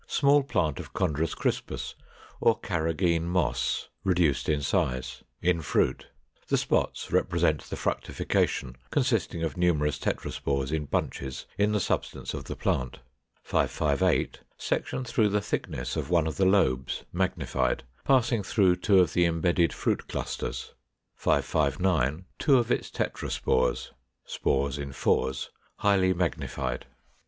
Small plant of Chondrus crispus, or Carrageen Moss, reduced in size, in fruit; the spots represent the fructification, consisting of numerous tetraspores in bunches in the substance of the plant. 558. Section through the thickness of one of the lobes, magnified, passing through two of the imbedded fruit clusters. 559. Two of its tetraspores (spores in fours), highly magnified.